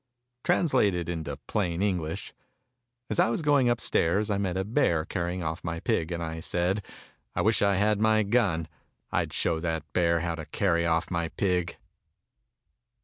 TRANSLATED INTO PLAIN ENGLISH As I was going upstairs I met a bear carry ing off my pig; and I said, "I wish I had my gun — I'd show that bear how to carry off my pig!"